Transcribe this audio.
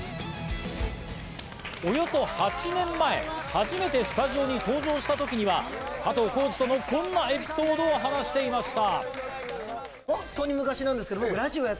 およそ８年前、初めてスタジオに登場した時には加藤浩次とのこんなエピソードを話していました。